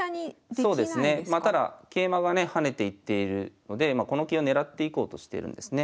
まあただ桂馬がね跳ねていっているのでこの桂を狙っていこうとしてるんですね。